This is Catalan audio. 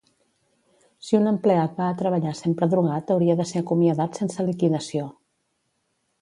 Si un empleat va a treballar sempre drogat hauria de ser acomiadat sense liquidació